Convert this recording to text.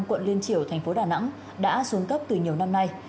quận liên triều thành phố đà nẵng đã xuống cấp từ nhiều năm nay